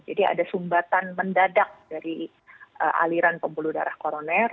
jadi ada sumbatan mendadak dari aliran pembuluh darah koroner